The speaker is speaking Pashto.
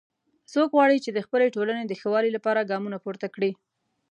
څوک غواړي چې د خپلې ټولنې د ښه والي لپاره ګامونه پورته کړي